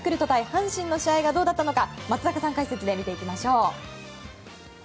阪神の試合がどうだったのか松坂さん解説で見ていきましょう。